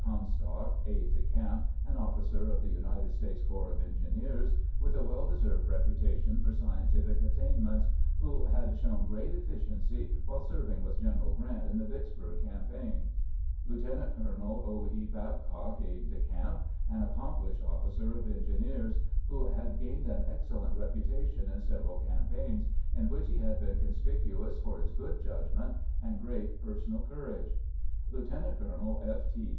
Comstock, aide de camp, an officer of the United States corps of engineers, with a well deserved reputation for scientific attainments, who had shown great efficiency while serving with General Grant in the Vicksburg campaign. Lieutenant colonel Horace Porter, aide de camp. Lieutenant colonel 0. E. Babcock, aide de camp, an accomplished officer of engineers, who had gained an excellent reputation in several campaigns, in which he had been conspicuous for his good judgment and great personal courage. Lieutenant colonel F. T.